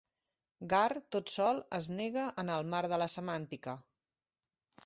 "Gar", tot sol, es nega en el mar de la semàntica.